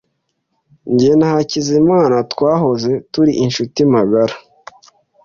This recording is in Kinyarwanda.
Jye na Hakizimana twahoze turi inshuti magara.